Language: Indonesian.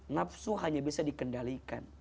nafsu hanya bisa dikendalikan